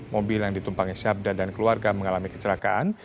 mobil yang ditumpangi syabda dan keluarga mengalami kecelakaan